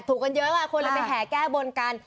๕๘ถูกกันเยอะค่ะคนเลยไปแห่แก้บนกัน